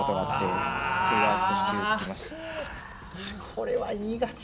これは言いがち。